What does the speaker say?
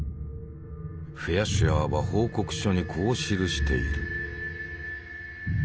フェアシュアーは報告書にこう記している。